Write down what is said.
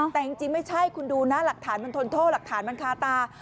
แต่จริงไม่ใช่คุณดูนะหลักฐานมันทนโทษหลักฐานมันคาตา